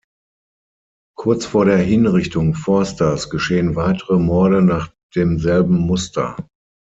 Kurz vor der Hinrichtung Forsters geschehen weitere Morde nach demselben Muster.